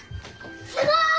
すごい！